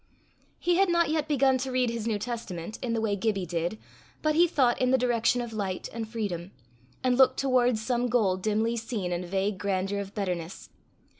He had not yet begun to read his New Testament in the way Gibbie did, but he thought in the direction of light and freedom, and looked towards some goal dimly seen in vague grandeur of betterness.